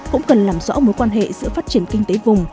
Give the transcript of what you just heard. cũng cần làm rõ mối quan hệ giữa phát triển kinh tế vùng